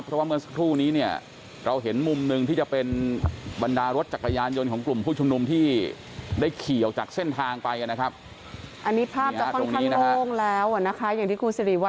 ก็มีรถยนต์ที่จะวิ่งตามหลังรถน้ำรถตำรวจแถวตำรวจอยู่ค่ะ